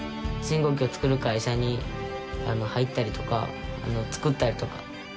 信号機を作る会社に入ったりとか作ったりとか。